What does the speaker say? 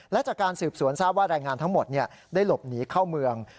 และจากการสืบสวนทราบว่าแรงงานทั้งหมดได้หลบหนีเข้าเมือง